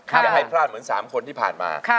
อย่าให้พลาดเหมือน๓คนที่ผ่านมา